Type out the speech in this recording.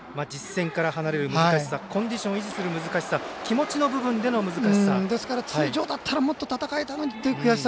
実戦から離れる難しさコンディションを維持する難しさ気持ちの部分での難しさ。